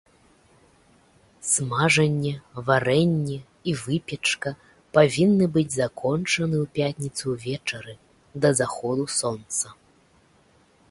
Смажанне, варэнне і выпечка павінны быць закончаны ў пятніцу ўвечары, да заходу сонца.